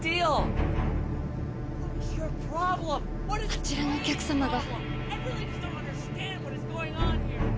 あちらのお客様が。